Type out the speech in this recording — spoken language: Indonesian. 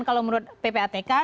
kalau menurut ppatk